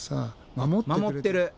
守ってる！